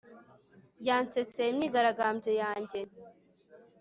Yansetse imyigaragambyo yanjye